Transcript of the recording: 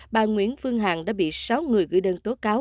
bà nguyễn phương hằng đã bị sáu người gửi đơn tố cáo